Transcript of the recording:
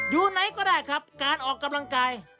อยู่ไหนก็ได้ครับการออกกำลังกาย